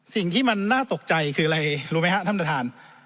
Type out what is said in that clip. สิ่งที่มันน่าตกใจคืออะไรรู้ไหมฮะท่าน